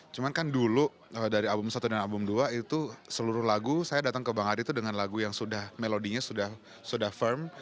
cuma kan dulu dari album satu dan album dua itu seluruh lagu saya datang ke bang ari itu dengan lagu yang sudah melodinya sudah firm